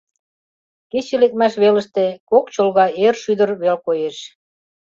Кече лекмаш велыште кок чолга эр шӱдыр веле коеш.